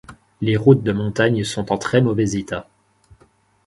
Les routes de montagne sont en très mauvais état.